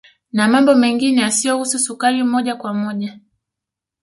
Na mambo mengine yasiyohusu sukari moja kwa moja